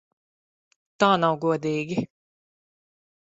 Tā nav godīgi!